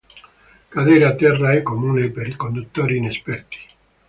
Cadere a terra è comune per i conduttori inesperti.